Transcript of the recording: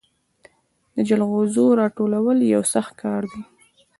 د جلغوزیو راټولول یو سخت کار دی.